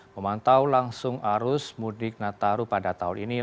memantau langsung arus mudik nataru pada tahun ini